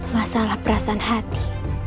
masalah perasaan hati